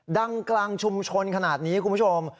ดังกลางชุมชนขนาดนี้คุณผู้ชม